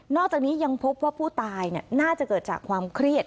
อกจากนี้ยังพบว่าผู้ตายน่าจะเกิดจากความเครียด